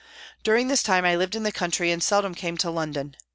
During this time I lived in the country and seldom came to London.